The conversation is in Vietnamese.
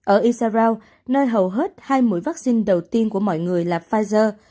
ở isaraok nơi hầu hết hai mũi vaccine đầu tiên của mọi người là pfizer